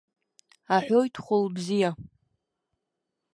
Аҳәоит хәлыбзиа!